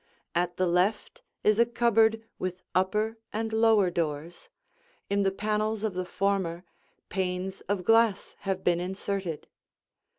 At the left is a cupboard with upper and lower doors; in the panels of the former, panes of glass have been inserted.